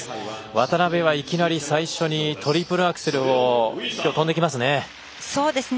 渡辺は最初にトリプルアクセルを跳んできますね。